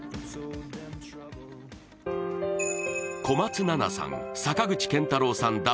小松菜奈さん、坂口健太郎さん